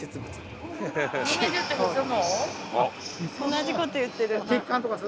同じこと言ってる。